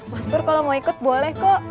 mas pur kalau mau ikut boleh kok